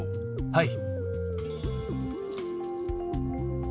はい。